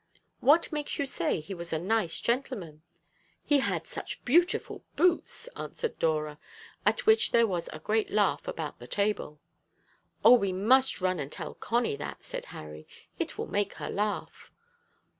"What makes you say he was a nice gentleman?" "He had such beautiful boots!" answered Dora, at which there was a great laugh about the table. "O! we must run and tell Connie that," said Harry. "It will make her laugh."